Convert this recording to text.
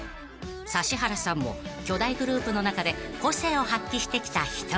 ［指原さんも巨大グループの中で個性を発揮してきた１人］